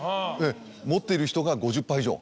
持っている人が５０％以上。